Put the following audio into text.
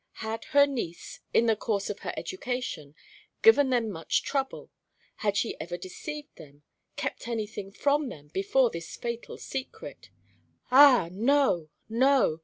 Had her niece, in the course of her education, given them much trouble, had she ever deceived them, kept anything from them before this fatal secret? Ah, no, no!